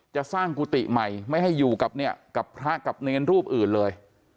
จะสร้างกุฏิใหม่ไม่ให้อยู่กับเนี่ยกับพระกับเนรรูปอื่นเลย